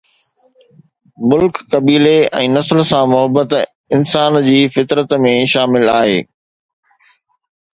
ملڪ، قبيلي ۽ نسل سان محبت انسان جي فطرت ۾ شامل آهي.